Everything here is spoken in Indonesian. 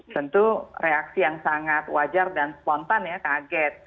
tentu reaksi yang sangat wajar dan spontan ya kaget